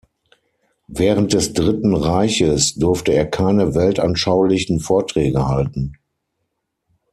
Während des Dritten Reiches durfte er keine weltanschaulichen Vorträge halten.